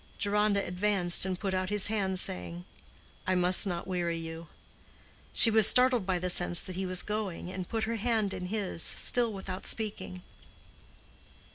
Deronda advanced and put out his hand, saying, "I must not weary you." She was startled by the sense that he was going, and put her hand in his, still without speaking.